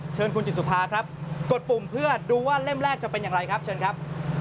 เชิญคุณจิตสุภาครับกดปุ่มเพื่อดูว่าเล่มแรกจะเป็นอย่างไรครับเชิญครับ